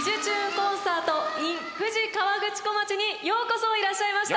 コンサートｉｎ富士河口湖町」にようこそいらっしゃいました。